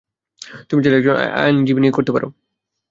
তুমি চাইলে একজন আইনজীবী নিয়োগ করতে পারো।